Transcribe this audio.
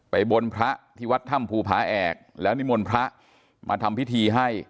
บนพระที่วัดถ้ำภูผาแอกแล้วนิมนต์พระมาทำพิธีให้